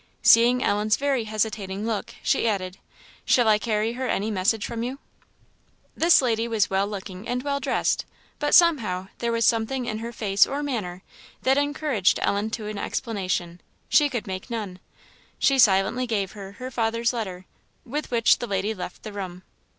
Seeing Ellen's very hesitating look, she added, "Shall I carry her any message from you?" This lady was well looking and well dressed; but somehow there was something in her face or manner that encouraged Ellen to an explanation; she could make none. She silently gave her her father's letter, with which the lady left the room.